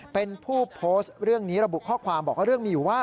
เป็นผู้โพสต์เรื่องนี้ระบุข้อความบอกว่าเรื่องมีอยู่ว่า